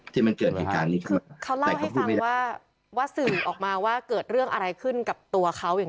ที่มันเกิดเหตุการณ์นี้ขึ้นเขาเล่าให้ฟังว่าว่าสื่อออกมาว่าเกิดเรื่องอะไรขึ้นกับตัวเขาอย่าง